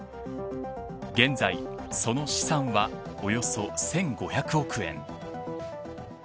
現在、その資産はおよそ１５００億円。